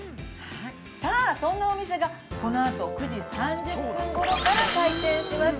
さあそんなお店が、このあと９時３０分ごろから、開店します。